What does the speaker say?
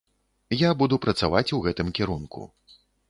Я буду працаваць у гэтым кірунку.